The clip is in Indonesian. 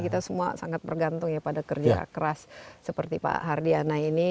kita semua sangat bergantung ya pada kerja keras seperti pak hardiana ini